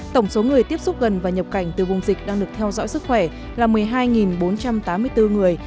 tổng số người tiếp xúc gần và nhập cảnh từ vùng dịch đang được theo dõi sức khỏe là một mươi hai bốn trăm tám mươi bốn người